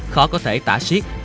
khó có thể tả xiết